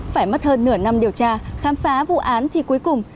phải mất hơn nửa năm điều tra khám phá vụ án thì cuối cùng